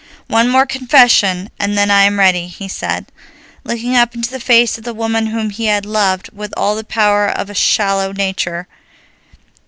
"One more confession, and then I am ready," he said, looking up into the face of the woman whom he had loved with all the power of a shallow nature.